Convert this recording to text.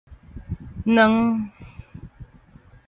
卵